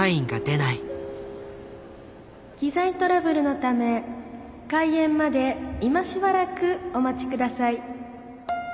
「機材トラブルのため開演まで今しばらくお待ち下さい」。